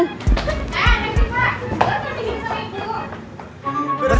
kok jadi seperti itu